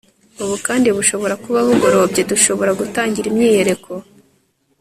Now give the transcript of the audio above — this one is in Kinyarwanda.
ubu kandi bushobora kuba bugorobye dushobora gutangira imyiyereko